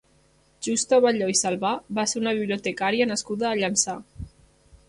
Justa Balló i Salvà va ser una bibliotecària nascuda a Llançà.